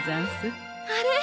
あれ！？